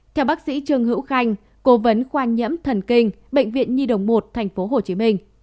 theo bác sĩ trương hữu khanh cố vấn khoa nhẫm thần kinh bệnh viện nhi đồng một tp hcm